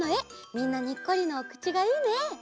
みんなにっこりのおくちがいいね。